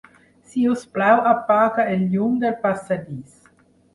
Si us plau, apaga el llum del passadís.